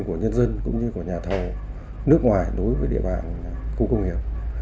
của nhân dân cũng như của nhà thầu nước ngoài đối với địa bàn khu công nghiệp